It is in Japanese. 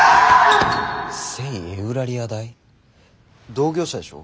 同業者でしょ。